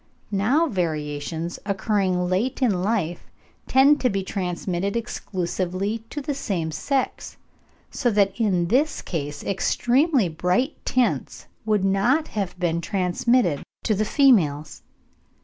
Now variations occurring late in life tend to be transmitted exclusively to the same sex, so that in this case extremely bright tints would not have been transmitted to the females.